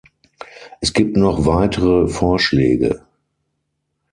Es gibt noch weitere Vorschläge.